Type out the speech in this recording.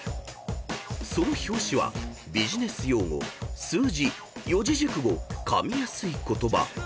［その表紙は「ビジネス用語」「数字」「四字熟語」「噛みやすい言葉」］